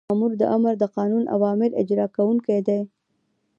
مامور د آمر د قانوني اوامرو اجرا کوونکی دی.